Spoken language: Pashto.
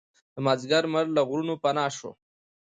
د مازدیګر لمر له غرونو پناه شو.